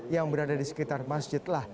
yang berada di sekitar masjidlah